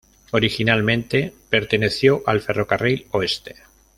Originalmente perteneció al Ferrocarril Oeste.